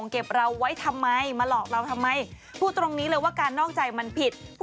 เขาไปถามเขาบอกว่าตอนนั้นมันโกรธ